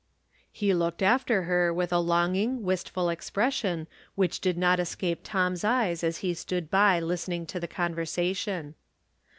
He looked after her with a longing, wistful ex pression, which did not escape Tom's eyes as he stood by listening to the conversation.